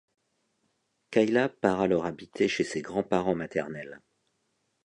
Kayla part alors habiter chez ses grand-parents maternels.